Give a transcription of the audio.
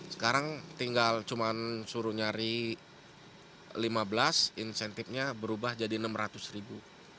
sekarang tinggal cuma suruh nyari lima belas insentifnya berubah jadi enam ratus ribu